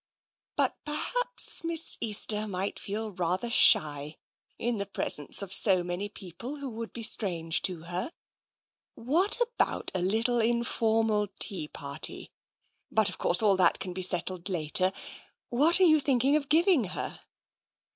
" But perhaps Miss Easter might feel rather shy in the presence of so many people who would be strange to her. What about a little infor mal tea party? But, of course, all that can be settled later. What are you thinking of giving her?